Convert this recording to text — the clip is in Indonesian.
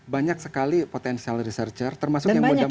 banyak sekali potential researcher termasuk yang muda muda